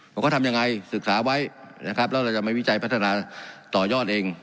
ว่าเขาทำยังไงศึกษาไว้นะครับแล้วเราจะไม่วิจัยพัฒนาต่อยอดเอง